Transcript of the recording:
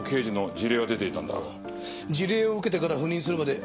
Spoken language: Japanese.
辞令を受けてから赴任するまで１０年ですか。